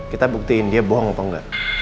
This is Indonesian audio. kita buktiin dia bohong atau enggak